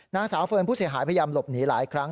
นางสาวเฟิร์นผู้เสียหายพยายามหลบหนีหลายครั้ง